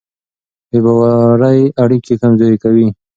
بې باورۍ اړیکې کمزورې کوي.